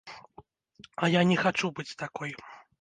А я не хачу быць такой!